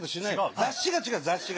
雑誌が違う雑誌が。